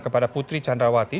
kepada putri candrawati